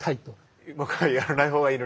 はい。